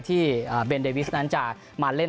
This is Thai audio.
ที่เบนเดวิสนั้นจะมาเล่น